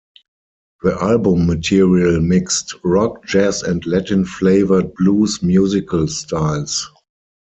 The album material mixed rock, jazz and Latin-flavoured blues musical styles.